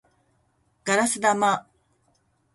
ガラス玉